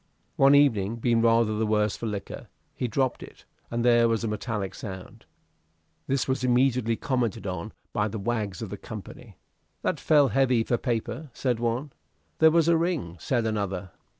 One evening, being rather the worse for liquor, he dropped it, and there was a metallic sound. This was immediately commented on by the wags of the company. "That fell heavy for paper," said one. "And there was a ring," said another.